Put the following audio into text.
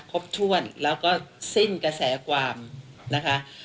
ครบถ้วนแล้วก็สิ้นกระแสความนะคะ